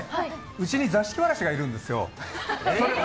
うちに座敷わらしがいるんですよ。